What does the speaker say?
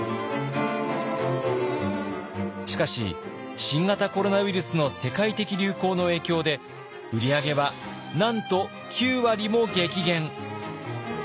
しかし新型コロナウイルスの世界的流行の影響で売り上げはなんと９割も激減。